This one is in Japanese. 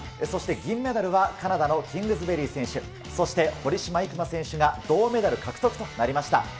そして銀メダルはカナダのキングズべりー選手、そして堀島行真選手が銅メダル獲得となりました。